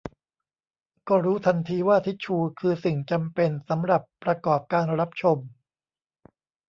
ก็รู้ทันทีว่าทิชชูคือสิ่งจำเป็นสำหรับประกอบการรับชม